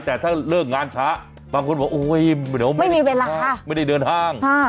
แต่ถ้าเลือกงานช้าบางคนบอกโอ้โหเดี๋ยวไม่ได้เดินทาง